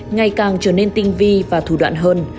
ngày càng trở nên tinh vi và thủ đoạn hơn